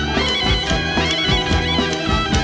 กลับไปที่นี่